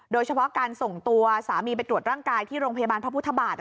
โดยเฉพาะการส่งตัวสามีไปตรวจร่างกายที่โรงพยาบาลพระพุทธบาท